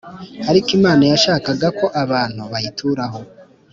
ariko imana yashakaga ko abantu bayituraho.